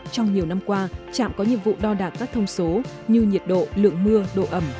trong nhiều năm qua trạm có nhiệm vụ đo đạc các thông số như nhiệt độ lượng mưa độ ẩm